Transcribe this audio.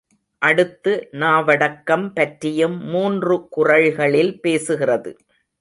அடுத்து நாவடக்கம் பற்றியும் மூன்று குறள்களில் பேசுகிறது.